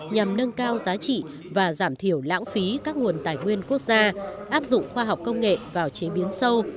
nhằm nâng cao giá trị và giảm thiểu lãng phí các nguồn tài nguyên quốc gia áp dụng khoa học công nghệ vào chế biến sâu